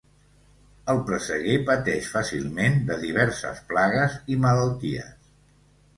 El presseguer pateix fàcilment de diverses plagues i malalties.